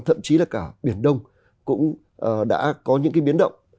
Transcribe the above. thậm chí là cả biển đông cũng đã có những cái biến động